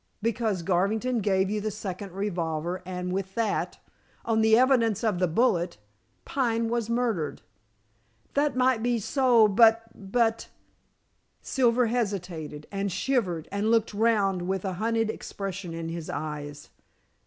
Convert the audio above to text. "Because Garvington gave you the second revolver and with that on the evidence of the bullet Pine was murdered." "That might be so, but but " Silver hesitated, and shivered and looked round with a hunted expression in his eyes.